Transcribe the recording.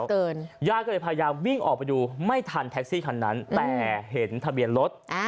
ญาติก็เลยพยายามวิ่งออกไปดูไม่ทันแท็กซี่คันนั้นแต่เห็นทะเบียนรถ